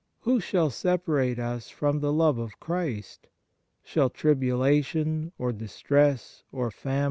Who shall separate us from the love of Christ ? Shall tribulation, or distress, or famine, or 1 Serm.